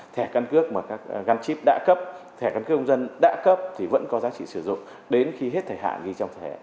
thẻ căn cước công dân đã cấp thì vẫn có giá trị sử dụng đến khi hết thời hạn ghi trong thẻ